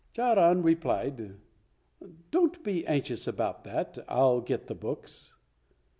Charan replied, "Don't be anxious about that, I'll get the books."